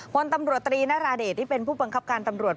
พลตำรวจตรีนราเดชที่เป็นผู้บังคับการตำรวจ